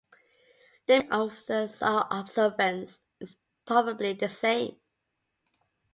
The meaning of the observance is probably the same.